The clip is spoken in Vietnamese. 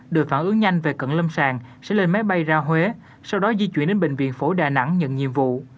được phản ứng nhanh về cận lâm sàng sẽ lên máy bay ra huế sau đó di chuyển đến bệnh viện phổi đà nẵng nhận nhiệm vụ